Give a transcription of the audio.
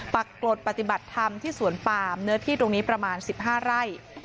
ปรากฏปฏิบัติธรรมที่สวนปามเนื้อที่ตรงนี้ประมาณ๑๕ไร่